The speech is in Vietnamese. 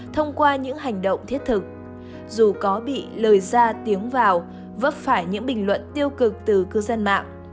thông qua những hành động thiết thực dù có bị lời ra tiếng vào vấp phải những bình luận tiêu cực từ cư dân mạng